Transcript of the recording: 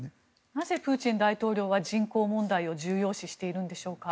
なぜプーチン大統領は人口問題を重要視しているんでしょうか？